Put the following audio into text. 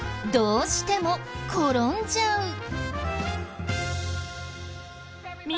どうしても転んじゃいます。